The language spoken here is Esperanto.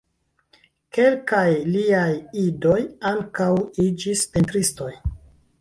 Kelkaj liaj idoj ankaŭ iĝis pentristoj.